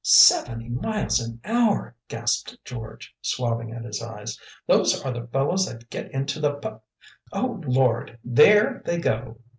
"Seventy miles an hour!" gasped George, swabbing at his eyes. "Those are the fellows that get into the pa Oh, Lord! THERE they go!"